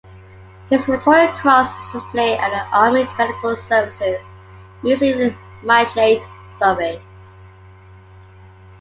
His Victoria Cross is displayed at the Army Medical Services Museum in Mytchett, Surrey.